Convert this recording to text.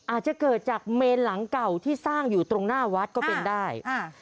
อาจจะเกิดจากเมนหลังเก่าที่สร้างอยู่ตรงหน้าวัดก็เป็นได้อ่า